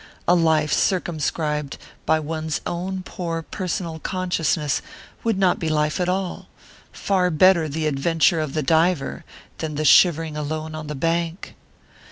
A life circumscribed by one's own poor personal consciousness would not be life at all far better the "adventure of the diver" than the shivering alone on the bank!